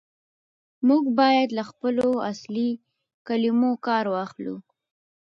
موږ بايد له خپلو اصلي کلمو کار واخلو.